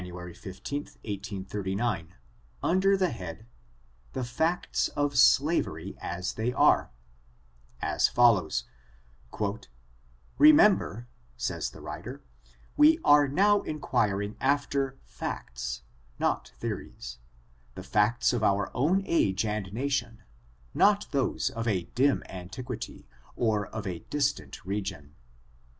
15, 1839, under the head —" The Facts of Slavery as they Are^ as follows: "Remember (says the writer), we are now inquiring after facts, not theories : the facts of our own age and nation, not those of a dim antiqtiity, or of a distant region.